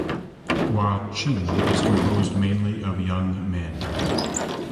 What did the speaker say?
Wah Ching is composed mainly of young men.